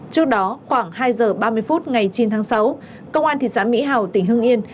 trước đó khoảng hai giờ ba mươi phút ngày chín tháng sáu công an thị xã mỹ hào tỉnh hưng yên